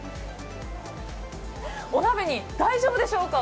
お鍋に大丈夫でしょうか？